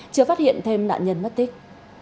chưa phát hiện thêm nạn nhân mất tích